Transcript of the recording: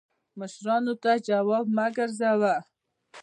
مشرانو ته جواب مه ګرځوه